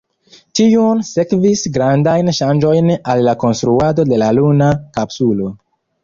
Tiun sekvis grandajn ŝanĝojn al la konstruado de la luna kapsulo.